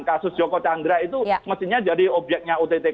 kasus joko candra itu mestinya jadi obyeknya ott kpk